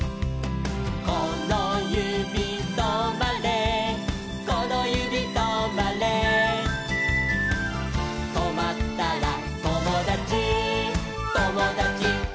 「このゆびとまれこのゆびとまれ」「とまったらともだちともだちとまれ」